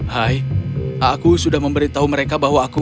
hai aku sudah memberitahu mereka bahwa aku